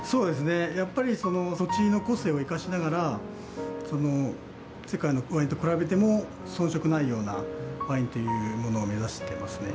やっぱりその土地の個性を生かしながら世界のワインと比べても遜色ないようなワインというものを目指していますね。